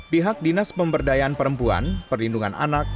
pihak dinas pemberdayaan perempuan perlindungan anak